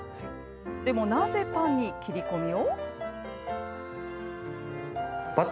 でもなぜ、パンに切り込みを？